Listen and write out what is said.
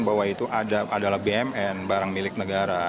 bahwa itu adalah bmn barang milik negara